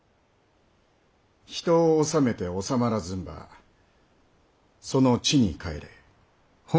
人を治めて治まらずんば其の智に反れ」。